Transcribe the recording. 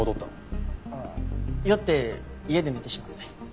ああ酔って家で寝てしまって。